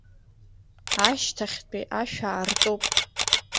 Ашьҭахьтәи ашә аартуп.